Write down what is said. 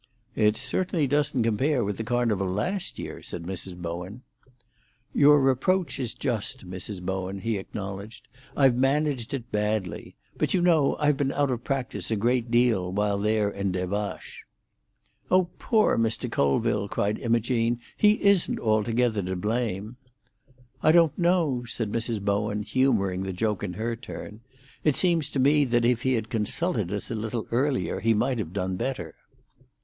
"It certainly doesn't compare with the Carnival last year," said Mrs. Bowen. "Your reproach is just, Mrs. Bowen," he acknowledged. "I've managed it badly. But you know I've been out of practice a great while there in Des Vaches." "Oh, poor Mr. Colville!" cried Imogene. "He isn't altogether to blame." "I don't know," said Mrs. Bowen, humouring the joke in her turn. "It seems to me that if he had consulted us a little earlier, he might have done better."